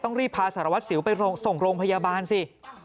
รีบพาสารวัตรสิวไปส่งโรงพยาบาลสิ